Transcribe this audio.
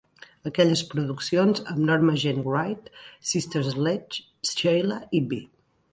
Aquelles produccions amb Norma Jean Wright, Sister Sledge, Sheila i B.